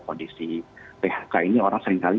kondisi phk ini orang seringkali